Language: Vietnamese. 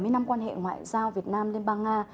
bảy mươi năm quan hệ ngoại giao việt nam liên bang nga